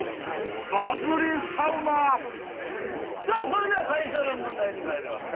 それでは最初の問題に参ります。